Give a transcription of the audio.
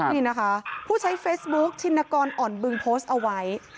นี่นะคะผู้ใช้เฟซบุ๊คชินกรอ่อนบึงโพสต์เอาไว้